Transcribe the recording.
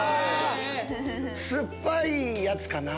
酸っぱいやつかな？